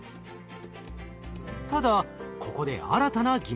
ただここで新たな疑問が。